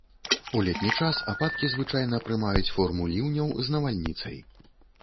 У летні час ападкі звычайна прымаюць форму ліўняў з навальніцай.